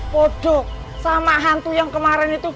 podok sama hantu yang kemarin itu